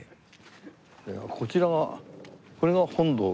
こちらはこれが本堂？